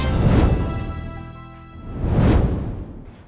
จบ